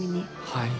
はい。